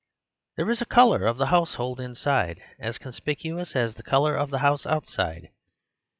There is a colour of the household inside, as conspicuous as the colour of the house outside.